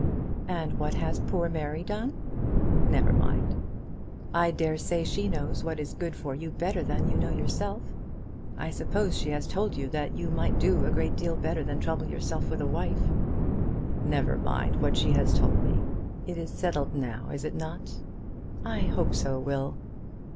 "And what has poor Mary done?" "Never mind." "I dare say she knows what is good for you better than you know yourself. I suppose she has told you that you might do a great deal better than trouble yourself with a wife?" "Never mind what she has told me. It is settled now; is it not?" "I hope so, Will."